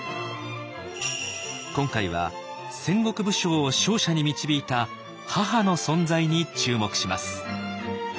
今回は戦国武将を勝者に導いた「母の存在」に注目します。